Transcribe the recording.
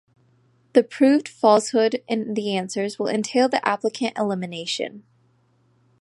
The proved falsehood in the answers will entail the applicant elimination.